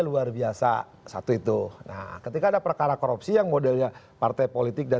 luar biasa satu itu nah ketika ada perkara korupsi yang modelnya partai politik dan